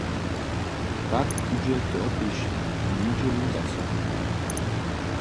Tak budźe to tež njedźelu zaso.